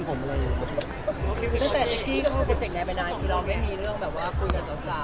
แล้วจะรู้ว่าจริงจริงเราขายเบาโลงแบบนี้อยู่มา๕๕๒